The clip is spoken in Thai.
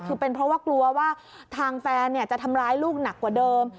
คือเป็นเพราะว่ากลัวว่าทางแฟนจะทำร้ายลูกหนักกว่าเดิม